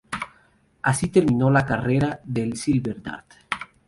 Así terminó la carrera del "Silver Dart".